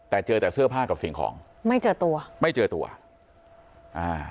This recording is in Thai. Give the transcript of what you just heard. แต่เจอแต่เสื้อผ้ากับสิ่งของไม่เจอตัวไม่เจอตัวอ่า